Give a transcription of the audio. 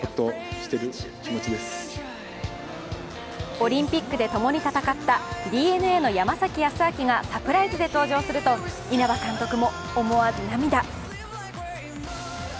オリンピックで共に戦ったＤｅＮＡの山崎康晃がサプライズで登場すると、稲葉監督も、思わず涙。